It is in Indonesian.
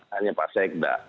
hanya pak sekda